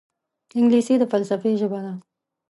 انګلیسي د فلسفې ژبه ده